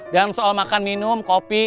dan soal makan minum kopi